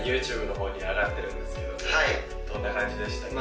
ＹｏｕＴｕｂｅの方に上がってるんですけれどもどんな感じでしたっけ？